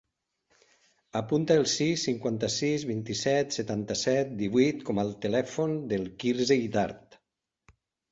Apunta el sis, cinquanta-sis, vint-i-set, setanta-set, divuit com a telèfon del Quirze Guitart.